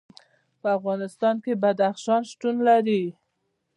په افغانستان کې بدخشان شتون لري.